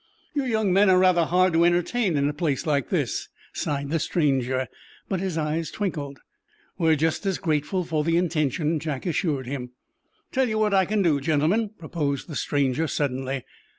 "You young men are rather hard to entertain in a place like this," sighed the stranger, but his eyes twinkled. "We are just as grateful for the intention," Jack assured him. "Tell you what I can do, gentlemen," proposed the stranger, suddenly.